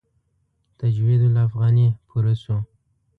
تجوید الافغاني پوره شو.